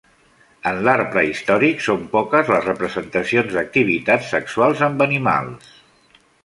En l'art prehistòric són poques les representacions d'activitats sexuals amb animals.